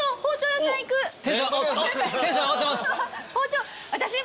テンション上がってます。